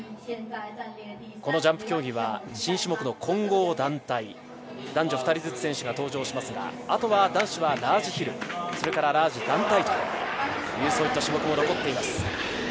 このジャンプ競技は新種目の混合団体、男女２人ずつ選手が登場しますが、あとは男子はラージヒル、それからラージ団体という種目も残っています。